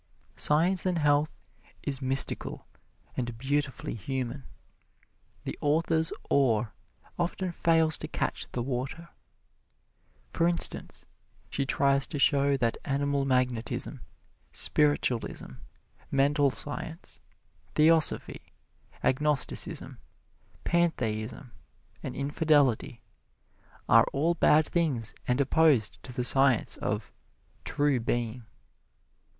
"Science and Health" is mystical and beautifully human. The author's oar often fails to catch the water. For instance, she tries to show that animal magnetism, spiritualism, mental science, theosophy, agnosticism, pantheism and infidelity are all bad things and opposed to the science of "true being."